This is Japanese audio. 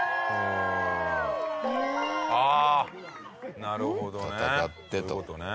ああなるほどね。